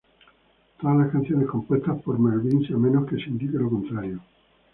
Todas las canciones compuestas por Melvins a menos que se indique lo contrario